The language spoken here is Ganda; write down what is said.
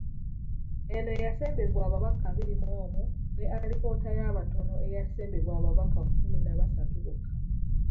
Eno yasembebwa ababaka abiri mu omu ne Alipoota y’abatono eyasembebwa ababaka kkumi na basatu bokka.